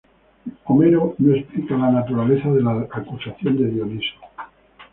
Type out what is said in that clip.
Homero no explica la naturaleza de la acusación de Dioniso.